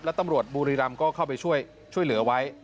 แล้วตำรวจบุรีรำก็เข้าไปช่วยเหลือไว้